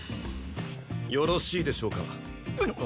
よろしいでしょうか？